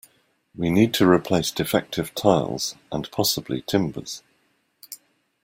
We need to replace defective tiles, and possibly timbers.